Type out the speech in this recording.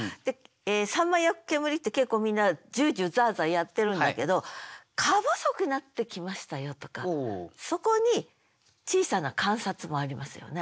「秋刀魚焼く煙」って結構みんな「じゅうじゅう」「ざあざあ」やってるんだけど「かぼそくなってきましたよ」とかそこに小さな観察もありますよね。